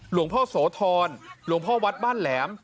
หลวงพ่อโสธรหลวงพ่อวัดบ้านแหลม